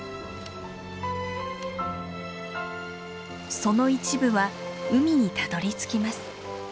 その一部は海にたどりつきます。